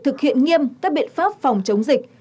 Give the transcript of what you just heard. thực hiện nghiêm các biện pháp phòng chống dịch